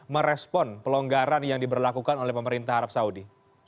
merespon pelonggaran yang diberlakukan oleh pemerintah arab saudi